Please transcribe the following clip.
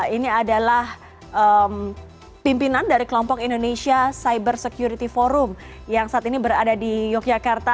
ini adalah pimpinan dari kelompok indonesia cyber security forum yang saat ini berada di yogyakarta